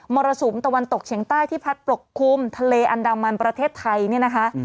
รสุมตะวันตกเฉียงใต้ที่พัดปกคลุมทะเลอันดามันประเทศไทยเนี่ยนะคะ